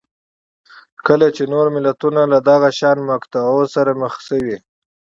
کله چې نور ملتونه له دغه شان مقطعو سره مخ شوي